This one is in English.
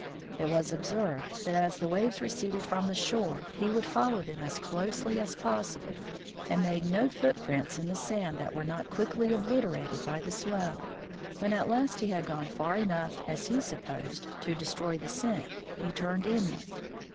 It was observed that as the waves receded from the shore he would follow them as closely as possible, and made no foot prints in the sand that were not quickly obliterated by the swell. When at last he had gone far enough, as he supposed, to destroy the scent, he turned inland.